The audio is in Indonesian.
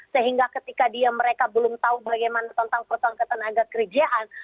sehingga ketika mereka belum tahu bagaimana tentang persoalan ketenaga kerjaan